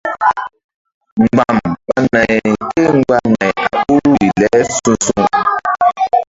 Mgba̧m ɓa nayri kémgba nay a ɓoruri le su̧su̧.